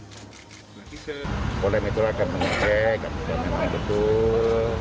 kepolisian akan mengecek